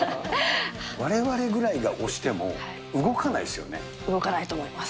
われわれぐらいが押しても、動かないと思います。